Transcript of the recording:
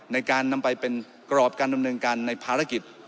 ในการนำไปเป็นกรอบการดำเนินการในภารกิจ